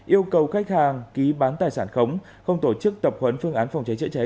yêu cầu khách hàng ký bán tài sản khống không tổ chức tập huấn phương án phòng cháy chữa cháy